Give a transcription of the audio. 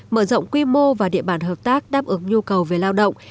mở rộng quy mô và địa bàn hợp tác đáp ứng nhu cầu về lao động